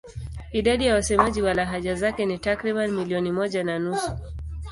Idadi ya wasemaji wa lahaja zake ni takriban milioni moja na nusu.